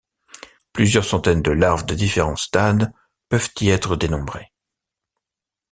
Plusieurs centaines de larves de différents stades peuvent y être dénombrées.